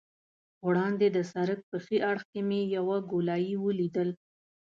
وړاندې د سړک په ښي اړخ کې مې یوه ګولایي ولیدل.